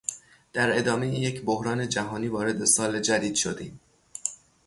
در ادامهی یک بحران جهانی وارد سال جدید شدیم.